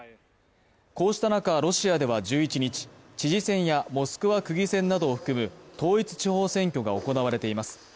こうした中、ロシアでは１１日、知事選やモスクワ区議会選などを含む統一地方選挙が行われています。